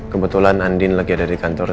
kebetulan andin lagi ada di kantor